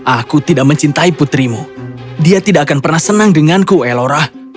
aku tidak mencintai putrimu dia tidak akan pernah senang denganku ellora